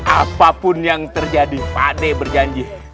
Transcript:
apapun yang terjadi pak de berjanji